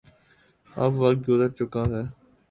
اب وقت گزر چکا ہے۔